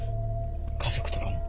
家族とかも。